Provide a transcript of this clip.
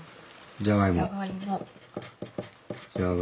じゃがいも。